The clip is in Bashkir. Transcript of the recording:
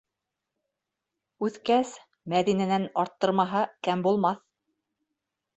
Үҫкәс, Мәҙинәнән арттырмаһа, кәм булмаҫ.